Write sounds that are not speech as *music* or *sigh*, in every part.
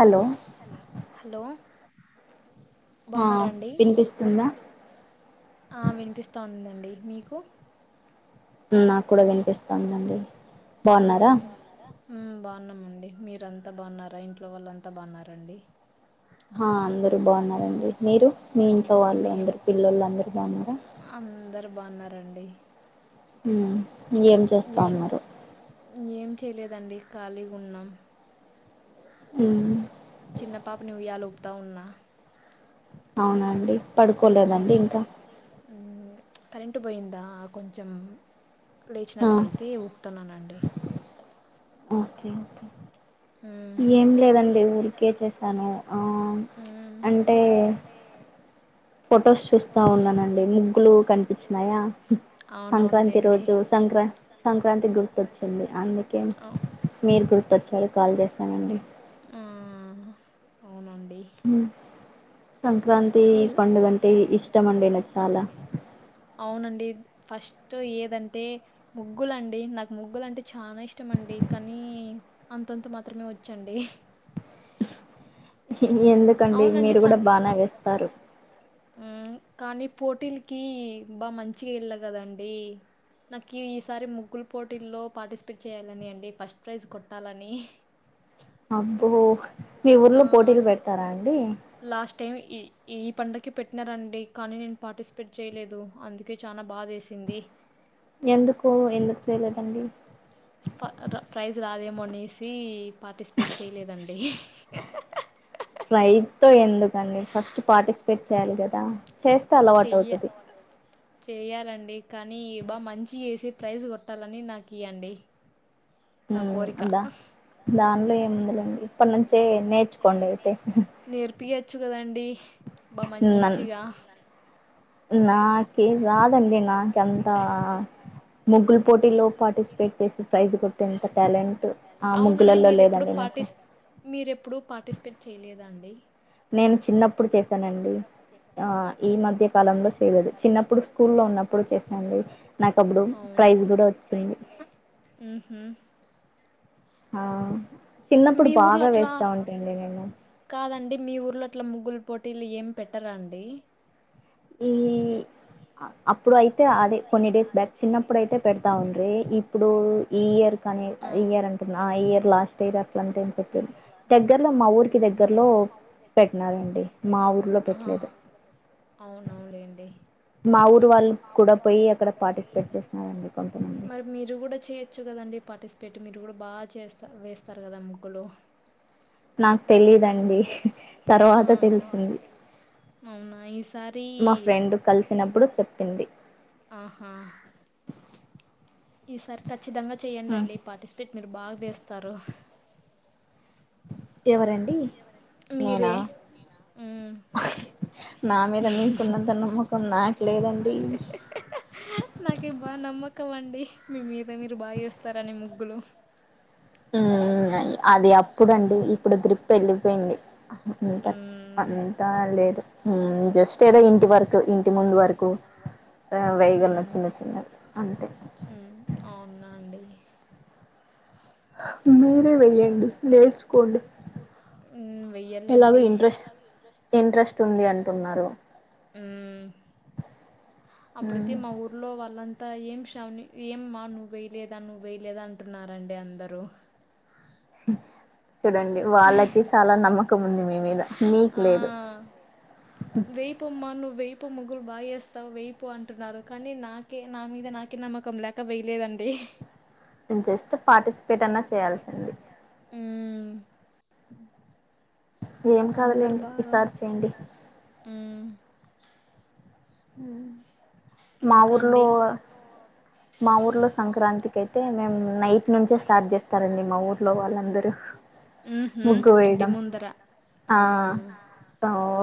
Hello hello ఆ బావున్నారండి వినిపిస్తుందా ఆ వినిపిస్తాంది అండి మీకు నాకు కూడా వినిపిస్తుందండి బాగున్నారా ఊ బాగున్నామండి మీరంతా బాగున్నారా ఇంట్లో వాళ్ళు అంతా బాగున్నారండి ఆ అందరు బాగున్నారండి మీరు మీ ఇంట్లో వాళ్ళు మే అందరు పిల్లలు అందరు బాగున్నారా అందరు బాగున్నారండి హ ఏం చేస్తా ఉన్నారు ఏం చేయలేదండి ఖాళీగ ఉన్నాం ఉ చిన్న పాపను ఉయాలుపుతా ఉన్నా అవునాండి మ్మ్. పడుకోలేదండి ఇంకా పడుకోలేదా మ్మ్, కరెంటు పోయిందా కొంచెం ఆ లేచినట్లయితే ఊపుతున్నానండి ఓకే ఓకే ఏం లేదండి ఊరికే చేసాను ఆ అంటే ఫొటోస్ చూస్తా చూస్త ఉన్నానండి ముగ్గులు కనిపించినాయా సంక్రాంతి అవునవునులేండి రోజు సంక్రాం సంక్రాంతి గుర్తొచ్చింది అందుకే అవు- మీరు గుర్తోచ్చారు కాల్ చేస్తానండి ఆ, అవునండి సంక్రాంతి ఎలా పండుగ అంటే ఇష్టం అండి నాకు చాలా అవునండి ఫస్ట్ ఏదంటే ముగ్గులండి నాకు ముగ్గులు అంటే చాలా ఇష్టమ అండి కానీ అంతంత మాత్రమే వచ్చండి ఎందుకండి అవునండి మీరు కూడా సం బానే వేస్తారు కానీ పోటీలకి బాగా మంచిగా వెళ్ళ కదండి నాకు ఈసారి ముగ్గులు పోటీల్లో పార్టిసిపేట్ చేయ్యాలని అండి ఫస్ట్ ప్రైజ్ కొట్టాలని అబ్బో మీ ఊర్లో పోటీలు ఆ, పెడతారా అండి లాస్ట్ టైం ఈ ఈ పండగ పెట్టినారండి కానీ నేను పార్టిసిపేట్ చేయలేదు అందుకే చానా బాదేసింది ఎందుకు ఎందుకు చేయలేదండి ప్రైజ్ రాదేమో అనేసి పార్టిసిపేట్ చేయలేదండి *unintelligible* కాన్ని ఫస్ట్ పార్టిసిపేట్ చేయాలి కదా చేస్తే అలవాటు చెయ్య అవుతుంది చేయాలండి కానీ బా మంచి చేసి ప్రైజ్ కొట్టాలని నాకు *unintelligible* నా కోరిక అదా దానిలో ఏముందిలేండి ఇప్పటి నుంచి చ్చే నేర్చుకోండి అయితే వచ్చు కద అండి బా మంచిగా నా రాదండి నాక అంతా ముగ్గులు పోటీలో పార్టిసిపేట్ చేసి ప్రైజ్ కోటే అంత టాలెంట్ ఆ అవునండి ముగ్గులలో మీరు ఎప్పుడు లేదండి నాకు పార్టిస్ అ నేను చిన్న నేను చిన్నప్పుడు చేసానుండి మధ్య కాలంలో ఈ మధ్య చేయలేదు కాలంలో చిన్నప్పుడు స్కూల్లో ఉన్నప్పుడు చిప్పుడుకూ లో చేశానండి నాకు అప్పుడు ప్రైజ్ కూడా వచ్చింది ఉా ఆ చిన్నప్పుడు మీ ఊర్లో బాగా అట్లా వేస్తా *unintelligible* నేను కాదండి మీ ఊర్లో అట్ల ముగ్గులు పోటీలు ఏం పెట్టరా అండి మ్మ్ అప్పుడు అయితే *unintelligible* అదే కొన్ని డేస్ బ్యాక్ చిన్నప్పుడుయితే పెడతా ఉండీ ఇప్పుడు ఈ ఇయర్ కానీ ఆ ఈ ఇయర్ అంటున్నా ఆ ఇయర్ లాస్ట్ ఇయర్ అట్లంతే ఏం పెట్ంది దగ్గరలో మా ఊరికి దగ్గరలో మ్. పెట్టినారండి మా ఊర్లో పెట్టలేదు అవునులేండి మా ఊ చు వాళ్ళు కూడా పోయి అక్కడ పార్టిసిపేట్ చేస్తునారండి కొంతమంది చ్చు కదండి పార్టిసిపేట్ మీరు కూడా బాగా చేస్త వేస్తారు కదా ముగ్గులు నాకు తెలిదండి ఆ తర్వాత తెలిసింది అవునా ఈసారి మా ఫ్రెండ్ కలిసినప్పుడు చెప్ ఆహా ఈసారి క ఖచ్చితంగా చేయండి పార్టిసిపేట్ మీరు బాగా వేస్తారు ఎవరండి మీరే నేనా హ్మ్. నా మీద మీకున్నంత నమ్మకం నా లేదండి నాకి *unintelligible* అండి మీ మీద మీరు బాగా వేస్తరని ముగ్గులు *unintelligible* అదే అప్పు అప్పుడు అండి ఇప్పుడు గ్రిప్ వెళ్ళిపోయింది, అంత హ్మ్. అంతా లేదు హ్మ్ జస్ట్ ఏదో ఇంటి వరకు ఇంటి ముందు వరకు వేయగలను హ్మ్. చిన్న చిన్నవి అంతే హ్మ్. అవునా అండి. మీరే వేయండి నేర్చుకోండి హ్మ్. ఎలాగో వెయ్యాలండి. ఇంట్రెస్ట్ ఇంట్రెస్ట్ ఉంది అంటున్నారు హ్మ్. ఉమ్ అప్పుడైతే మా ఊర్లో వళ్ళం అంత ఏం శ్రావని ఏమ్మా నువ్ వేయలేదా నువ్ వేయలేదా అంటున్నారండి అందరూ *inaudible* చూడండి వాళ్ళకి చాలా నమ్మకం ఉంది మీ మీద మీక్ ఆ! లేదు వెయిపో ముగ్గులు బాగా వేస్తావు వెయిపో అంటున్నారు కానీ నాకే నా మీద నాకే నమ్మకం లేక వేయలేదండి. జస్ట్ పార్టిసిపేట్ అన్నా చేయాల్సింది. హ్మ్ *inaudible* ఏం అందరు కాదులెండి బాగా ఇసారి చేయండి. హ్మ్. హు మా ఇంకా ఊర్లో అండి. మా ఊర్లో సంక్రాంతి కిఅయితే మేమ్ నైట్ నుంచే స్టార్ట్ చేస్తారండి మా ఊర్లో వాళ్ళందరూ హుహు. ముగ్గు ఇంటి వేయడం ముందర. ఆ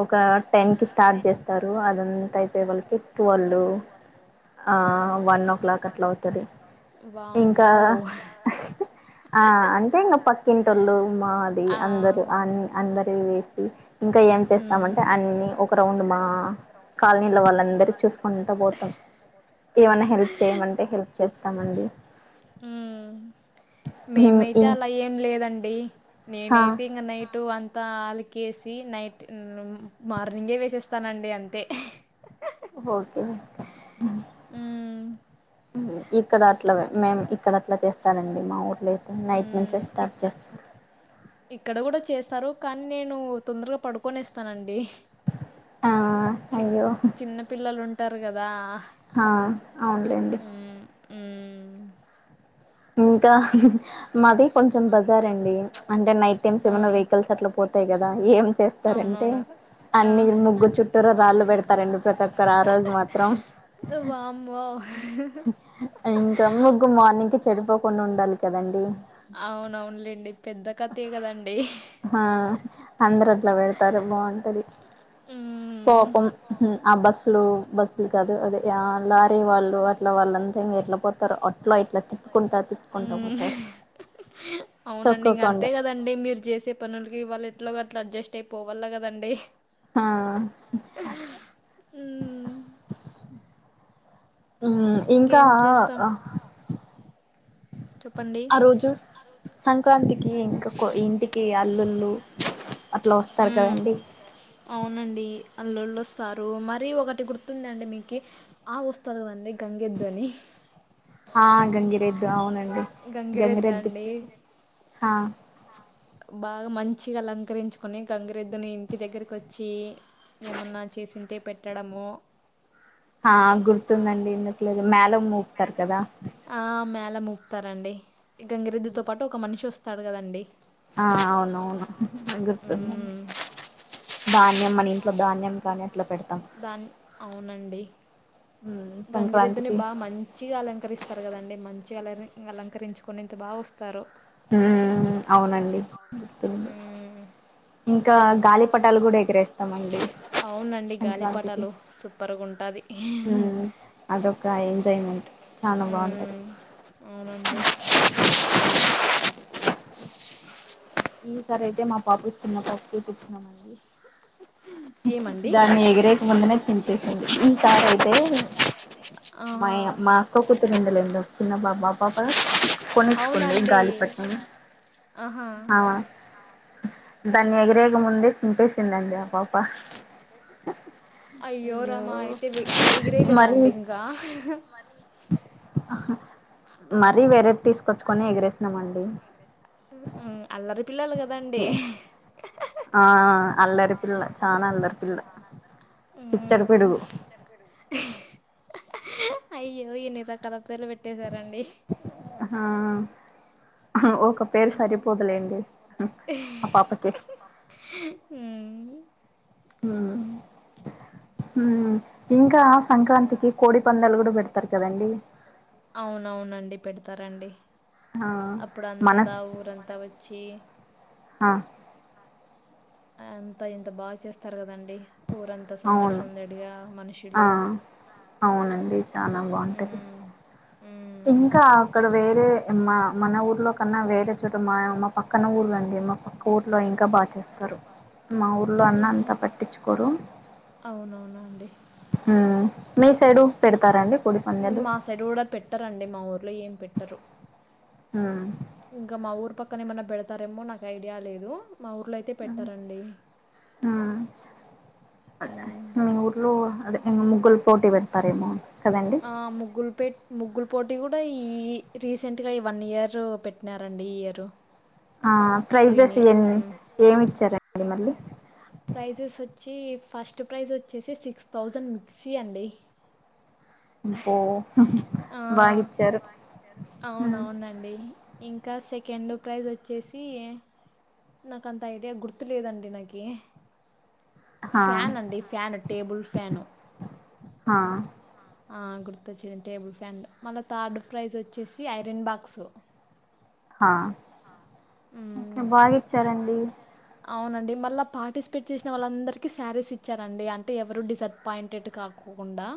ఒక టెన్ కి స్టార్ట్ చేస్తారు అదంత అయి లీవెన్ టు ట్వెల్వ్ ఆ వన్ ఓ క్లాక్ అట్లా అవుతది ఇంకా వామ్మో! హహ్ ఆ అంటే ఇంకా పక్కింటోళ్ళు మాది ఆ! అందరు అ అందరి వేసి ఇంకా ఏం హ్మ్. చేస్తామంటే అన్ని ఒక రౌండ్ మా కాల నీ వాళ్ళందరు చూసుకుంటా పోతాం ఏమన్నా హెల్ప్ చేయమంటే హెల్ప్ చేస్తామండి హ్మ్. మేమైతే ఇం అలా ఏం లేదండి హా నేనైతే ఇంక నైటు అం తా అలుకేసి నైట్ మ్ మార్నింగే వేసేస్తానండి అంతే హ హ ఓహో *inaudible* హ్మ్ ఇక్కడ అట్లా ఇక్కడ మేము అట్లా కాదు మేము ఇక్కడ అట్ల చేస్తారండి మా ఊర్లో చేస్తారండి అయితే నైట్ నుంచే హ్మ్ స్టార్ట్ ఇక్కడ నైట్ నుంచే చేస్తారు స్టార్ట్ చేస్తారు ఇ ఇక్కడ కూడా చేస్తారు కానీ నేను తొందరగా పడుకొనేస్తానండి ఆ చి అయ్యో చిన్న పిల్లలు ఉం టారు కదా హా అవునులేండి. హ్మ్ *unintelligible* ఇంకా మాది కొంచెం బజార్ అండి అంటే నైట్ టైమ్స్ ఆ, ఏమైనా వెహికల్స్ అట్లా పోతాయి కదా ఏం చేస్తారంటే అవునవును. చేస్తారంటే ఆ, అన్ని ముగ్గు చుట్టూరాళ్ళు పెడతారండి ప్రతి ఒక్కరు ఆ రోజు మాత్రం మాత్రం వామ్మో! ఇంకా ముగ్గు మార్నింగ్ చెడిపోకుండా ఉండాలి కదండి అవునవునులేండి పెద్ద కథే కదండి ఆ అందరు అట్లా పెడతారు బాగుంటది హ్మ్. పాపం ఆ బస్సులు బస్సులు కాదు అదే ఆ లారీ వాళ్ళు అట్లా వాళ్ళంతా ఇం ఎట్లా పోతారు అట్లా ఇట్లా తిప్పు తిప్పుకుంటా ఉ పోతారు అవునండి ఇంక అంతే తొక్కకుండా కదండి మీరు చేసే పనులకి ఇవాళ ఇట్లా అట్లా అడ్జస్ట్ అయిపోవాలా కదండి ఆ హ్మ్. ఉ ఇంకా ఇంకేం చేస్తాం చెప్పండి. ఆ రోజు సంక్రాంతికి ఇంకా ఇంటి కి అల్లుల్లు అట్లా వస్తారు కదండి అల్లుల్లు వస్తారు మరీ ఒకటి గుర్తుందండి మీకు ఆ వస్తుది కదండడి గంగేద్దు అని ఆ గంగిరెద్దు అవునండి గంగిరెద్దు అండి. గంగిరెద్దుకి హా బాగా మంచిగా అలంకరించుకుని గంగిరెద్దుని ఇంటి దగ్గరకి వచ్చి ఏమన్నా చేసింటే పెట్టడము ఆ గుర్తుందండి ఎందుకు లేదు మేల మూపు తర్ కదా ఆ మేళ మూపుతారండి గంగిరద్దుతో పాటు ఒక మనిషి వస్ వస్తాడు కదండి ఆ అవునవును గుర్తుందండి హ్మ్. ధాన్యం మన ఇంట్లో ధాన్యం కానీ అట్లా పెడతాం దాన్ అవునండి. హ్మ్ గంగిరెద్దుని సంక్రాంతికి బా మంచిగా అలంకరిస్తారు కదండి మన్ చే అలకరించుకొని ఎంత బా వస్ ఉ అవునండి గుర్తుంది ఇంకా గాలిపటాలు కూడా గాలిపటాలు కూడా ఎగిరేస్తామండి అవునండి సంక్రాంతికి గాలిపటాలు సూపర్గా ఉంటది హ్మ్ అదొక అదొక ఎంజాయ్మెంట్ చానా బాగుంటది ఎంజాయ్మెంట్ అవునండి ఈ సారి అయితే మా పాపకి చిన్న పాపకి తెచ్చినామండి ఏమండి? దాన్ని ఎగిరేక ముందునే చింపేసింది ఈసారి అయితే మా ఆహా! మా అక్క కూతురు ఉందిలే ఓ చిన్న బాబా పాప కొనిచ్చుకుంది అవునండి. గాలిపట్టం ఆహా! ఆ దాన్ని ఎగిరేకముందే చి చింపేసిందండి ఆ పాప అయ్యో రామా! అయితే వె ఎగిరేయలేదా మరి అండి ఇంకా? మరి వేరే తీసు మరి వేరే తీసుకొచ్చుకొని ఎగిరేసినామండి ఉ అల్లరి పిల్లలు కదండి ఆ అల్లరి పిల్ల చానా అల్లరి పిల్ల చిచ్చరి హ్మ్ పిడుగు అయ్యో ఎన్ని తట్టాలు పేర్లు పెట్టేశారండి ఓక్ పేరు సరిపోదులేండి అ పాప కి హ్మ్ హు హ్మ్ ఇ ఇంకా సంక్రాంతికి కోడి పెడతారు పందాలు కదండి పెడ్తారు కదండి అవునవునండి పెడతారండి ఆ అప్పుడు అంతా మనస్ ఊరంతా వచ్చి ఆ అంతా ఇంత బాగా చేస్తారు కదండీ ఊరంతా సందడి అవును సందడిగా మనుషులు ఆ చాలా బాగుంటది ఇంకా అక్కడ వేరే మా మన ఊర్లో కన్నా వేరే చోట, మా మా పక్కన ఊర్లు అండి. మా పక్క ఊర్లో ఇంకా బాగా చేస్త. రు మా ఊర్లో అన్న అంత పట్టించుకోరు. అవునవునండి ఊ మీస్ మా సైడ్ కూడా పెట్టారండి మా ఊర్లో ఏం పెట్ట రు హ్మ్ గ మా ఊర పక్క అక్కని ఏమన్నా పెడతారేమో నాకు ఐడియా లేదు. మా ఊర్లో అయితే పెట్టరండి. హ్మ్ ఉ ముగ్గుల పోటీ పెట్ ఆ ముగుల్ పే ముగుల్ పోట్ ఇది కూడా ఈ రీసెంట్గా ఈ వన్ ఇయర్ పెట్టినారండి. ఈ ఇయరు ఆ ప్రైజెస్ ఏం ఏమిచ్చారండి మళ్ళీ ప్రైజెస్ వచ్చి ఫస్ట్ ప్రైజ్ వచ్చేసి సిక్స్ థౌజండ్ మిక్సీ అండి. పో అ ఆ, బాగిచ్చారు. అవునవునండి ఇంకా సెకండ్ ప్రైజ్ వచ్చేసి నాకు అంత ఐడియా గుర్తు లేదండి నాకి హా ఫ్యాన్ అండి ఫ్యాను టేబుల్ ఫ్యాను హా ఆ గుర్తొచ్చింది. టేబుల్ ఫ్యాన్ మళ్ళీ థర్డ్ ప్రైజ్ వచ్చేసి ఐరన్ బాక్సు. ఆ బాగా ఇచ్చారండి. అవునండి. మళ్ళీ పార్టిసిపేట్ చేసిన వాళ్ళందరికీ శారీస్ ఇచ్చారండి. అంటే ఎవరు డిసప్పాయింటెడ్ కాకుండా.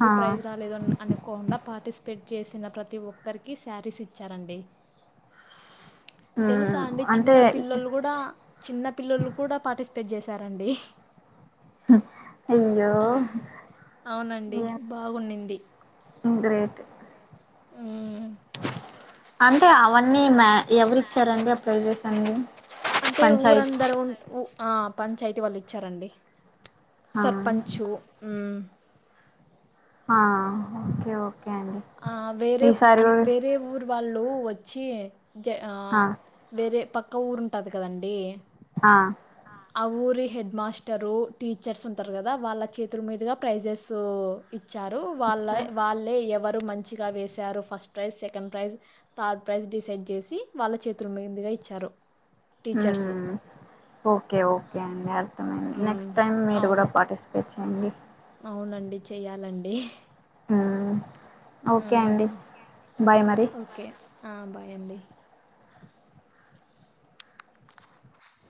హా ప్రైజ్ రాలేదు అని అనుకోకుండా పార్టిసిపేట్ చేసిన ప్రతి ఒక్కరికి శారీస్ ఇచ్చారండి తెలుసా హ్మ్ అండి చిన్న అంటే పిల్లోళ్ళుగుడా చిన్న పిల్లలు కూడా పాటిస్త పెట్ చేసారండి అయ్యో అవునండి బాగుండింది గ్రేట్ ఉ అంటే అవన్నీ మ్యా ఎవరిచ్చారండి ఆ ప్రైజెస్ అన్ని అంటే పంచాయత్ ఊరందరూ ఉ అ పంచాయతీ వాళ్ళు ఇచ్చారండి ఆ సర్పంచు అ ఓకే అండి ఆ వేరే ఈసారి కూడా వేరే ఊరు వాళ్ళు వచ్చి జ ఆ వేరే పక్క ఇంకా ఊరుంటుంది కదండడి ఆ ఆ ఊరి హెడ్ మాస్టరు టీచర్స్ ఉంటారు కదా వాళ్ళ చేతుల మీదుగా ప్రైజెస్ వచ్చారు వాళ్ళ ఇచ్చా వాళ్ళే వరు మంచిగా వేసారు first prize second prize third prize decide చేసి వాళ్ళ చేతుల మీందుగా ఇచ్చారు టీచర్సు మ్మ్ ఓకే ఓకే అండి అర్థమైంది నెక్స్ట్ టైమ్ మీరు గూడా అవును పార్టిసిపేట్ చేయండి అ అవునండి చేయాలండి ఆ ఓకే అండి బాయ్ మరి ఏండి